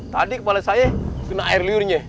tadi kepala saya kena air liurnya